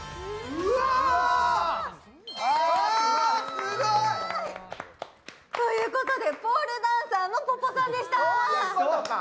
すごーい！ということでポールダンサーのＰＯＰＯさんでした。